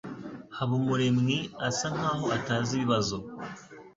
Habumuremwi asa nkaho atazi ibibazo.